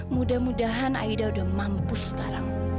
mudah mudahan aida udah mampu sekarang